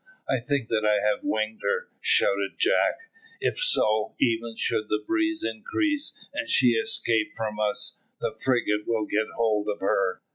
"I think that I have winged her," shouted Jack; "if so, even should the breeze increase, and she escape from us, the frigate will get hold of her."